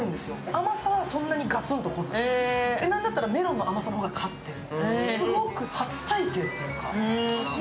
甘さはそんなにガツンと来ず、なんだったら、メロンの甘さの方が勝ってる。